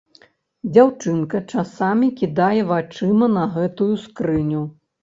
Дзяўчынка часамі кідае вачыма на гэтую скрыню.